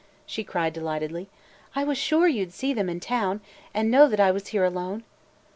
she cried delightedly. "I was sure you 'd see them in town – and know that I was here alone!"